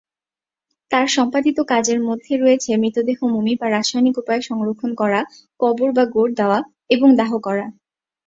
তার সম্পাদিত কাজের মধ্যে রয়েছে মৃতদেহ মমি বা রাসায়নিক উপায়ে সংরক্ষণ করা, কবর বা গোর দেওয়া, এবং দাহ করা।